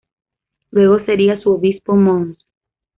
Luego seria su obispo Mons.